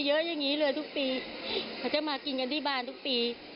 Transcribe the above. เค้าจะมากินกันที่บ้านทุกปี